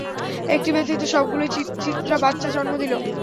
একটি ব্যতীত সবগুলোই চিত্রা বাচ্চা জন্ম দিল।